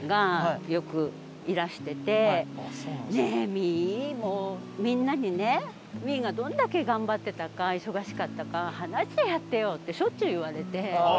「ねえ未唯みんなにね未唯がどれだけ頑張ってたか忙しかったか話してやってよ」ってしょっちゅう言われて。